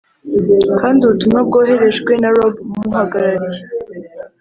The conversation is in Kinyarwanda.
kandi ubutumwa bwoherejwe na Rob umuhagarariye